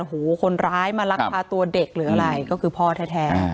หูคนร้ายมาลักพาตัวเด็กหรืออะไรก็คือพ่อแท้